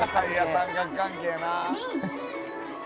「三角関係やな」